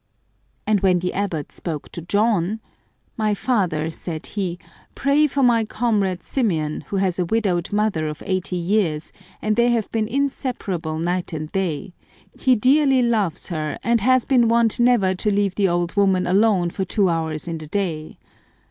And when the abbot spoke to John, " My father," said he, " pray for my comrade Symeon, who has a widowed mother of eighty years, and they have been inseparable night and day ; he dearly loves her, and has been wont never to leave the old woman alone for two hours in the day.